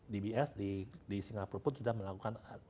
dbs di singapura pun sudah melakukan sudah melakukan